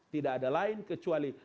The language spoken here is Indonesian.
tidak ada lain kecuali